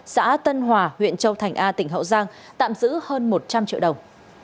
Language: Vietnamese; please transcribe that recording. xã tân hòa huyện châu thành a tỉnh hậu giang tạm giữ hơn một trăm linh triệu đồng